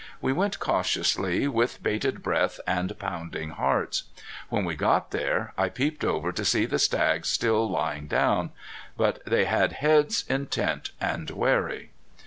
We went cautiously, with bated breath and pounding hearts. When we got there I peeped over to see the stags still lying down. But they had heads intent and wary.